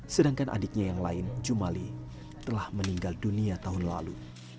sedangkan adiknya yang lain jumali telah meninggal dunia tahun lalu